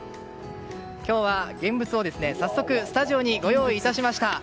今日は現物を早速スタジオにご用意しました。